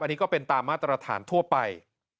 อันนี้ก็เป็นตามมาตรฐานทั่วไป